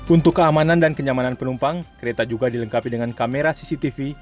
untuk keamanan dan kenyamanan penumpang kereta juga dilengkapi dengan kamera cctv